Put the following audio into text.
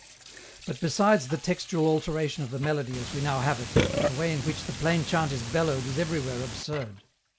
" But besides the textual alteration of the melody as we now have it, the way in which the plain chant is bellowed is everywhere absurd.